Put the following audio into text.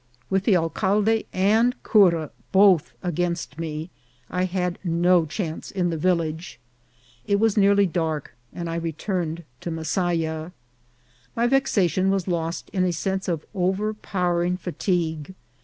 With the alcalde and cura both against me, I had no chance in the village. It was nearly dark, and I re turned to Masaya. My vexation was lost in a sense of overpowering fatigue.